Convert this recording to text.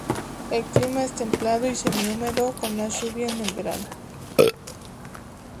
El clima es templado y semi-húmedo con más lluvia en el verano.